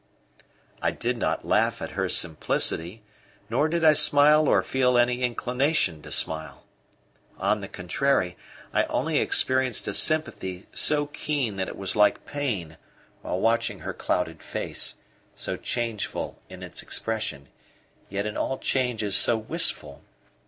I did not laugh at her simplicity, nor did I smile or feel any inclination to smile. On the contrary, I only experienced a sympathy so keen that it was like pain while watching her clouded face, so changeful in its expression, yet in all changes so wistful.